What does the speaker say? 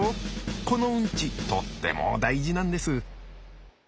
このうんちとっても大事なんです。